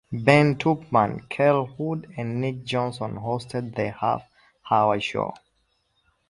Ben Tupman, Kyle Wood, and Nick Johnson hosted the half hour show.